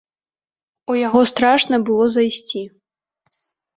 У яго страшна было зайсці!